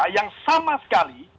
yang sama sekali